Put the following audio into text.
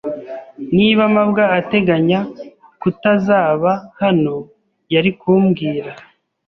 Niba mabwa ateganya kutazaba hano, yari kumbwira.